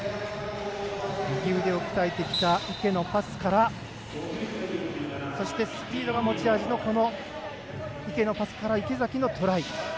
右腕を鍛えてきた池のパスからそして、スピードが持ち味の池のパスから池崎のトライ。